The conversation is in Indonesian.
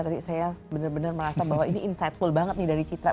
tadi saya benar benar merasa bahwa ini insightful banget nih dari citra